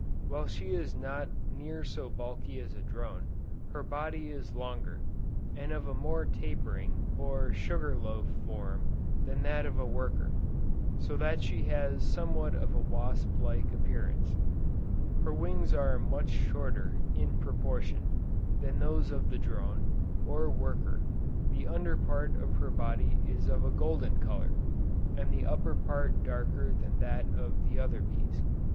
While she is not near so bulky as a drone, her body is longer, and of a more tapering, or sugar loaf form than that of a worker, so that she has somewhat of a wasp like appearance. Her wings are much shorter, in proportion, than those of the drone, or worker; the under part of her body is of a golden color, and the upper part darker than that of the other bees.